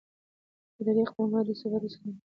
اداري اقدام باید د ثبات اصل مراعت کړي.